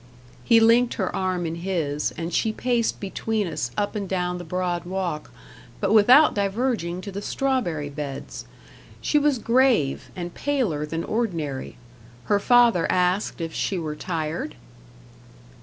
He linked her arm in his, and she paced between us up and down the broad walk but without diverging to the strawberry beds. She was grave, and paler than ordinary. Her father asked if she were tired?